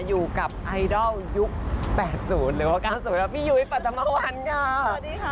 อยู่กับไอดัลยุค๘๐หรือว่า๘๐หรือ๙๐นะครับพี่ยุ้ยสวัสดีค่ะ